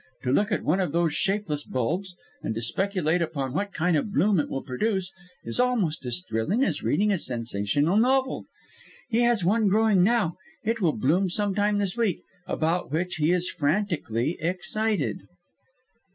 To look at one of those shapeless bulbs, and to speculate upon what kind of bloom it will produce, is almost as thrilling as reading a sensational novel! He has one growing now it will bloom some time this week about which he is frantically excited."